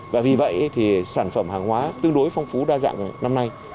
và vì vậy thì sản phẩm hàng hóa tương đối phong phú đa dạng năm nay